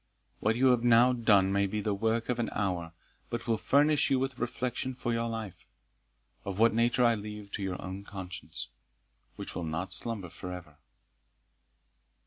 What you have now done may be the work of an hour, but will furnish you with reflection for your life of what nature I leave to your own conscience, which will not slumber for ever."